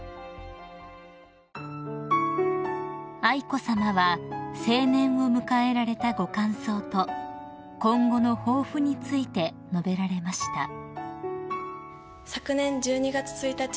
［愛子さまは成年を迎えられたご感想と今後の抱負について述べられました］